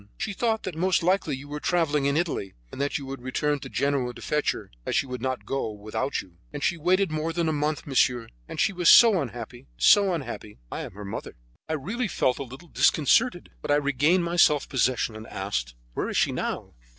She thought that most likely you were travelling in Italy, and that you would return by Genoa to fetch her, as she would not go with you. And she waited more than a month, monsieur; and she was so unhappy; so unhappy. I am her mother." I really felt a little disconcerted, but I regained my self possession, and asked: "Where is she now?"